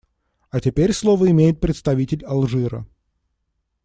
А теперь слово имеет представитель Алжира.